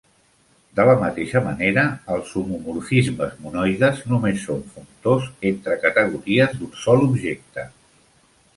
De la mateixa manera, els homomorfismes monoides només són functors entre categories d'un sol objecte.